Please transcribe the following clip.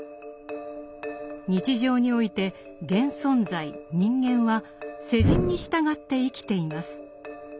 日常において現存在人間は世人に従って生きています。